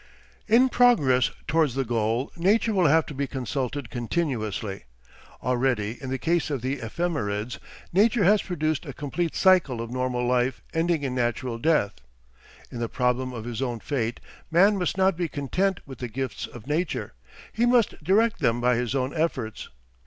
"In progress towards the goal, nature will have to be consulted continuously. Already, in the case of the ephemerids, nature has produced a complete cycle of normal life ending in natural death. In the problem of his own fate, man must not be content with the gifts of nature; he must direct them by his own efforts.